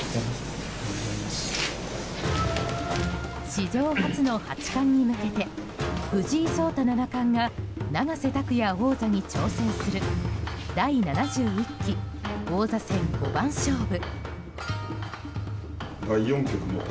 史上初の八冠に向けて藤井聡太七冠が永瀬拓矢王座に挑戦する第７１期王座戦五番勝負。